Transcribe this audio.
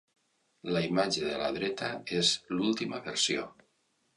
La imatge de la dreta és l'última versió